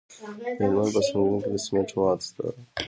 د هلمند په سنګین کې د سمنټو مواد شته.